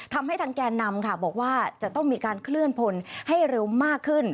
ทำให้ทางแก่นำค่ะบอกว่าจะต้องมีการเคลื่อนพลให้เร็วมากขึ้น